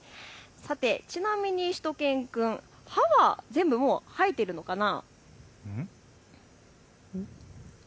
ちなみにしゅと犬くん、歯は全部入っているのかな。